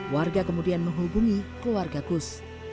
warga kemudian menghubungi keluarga kus